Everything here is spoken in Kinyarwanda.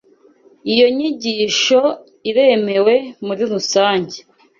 Iyo nyigisho iremewe muri rusange.